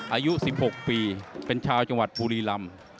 อายุ๑๖ปีเป็นชาวจังหวัดบุรีลำ